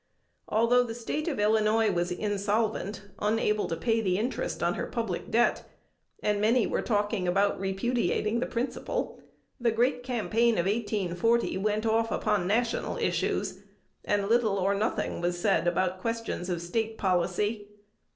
Although the State of Illinois was insolvent, unable to pay the interest on her public debt, and many were talking about repudiating the principal, the great campaign of 1840 went off upon national issues, and little or nothing was said about questions of State policy.